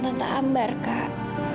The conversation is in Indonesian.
tante ambar kak